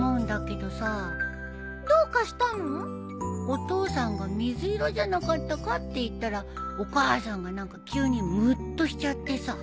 お父さんが「水色じゃなかったか」って言ったらお母さんが何か急にむっとしちゃってさ。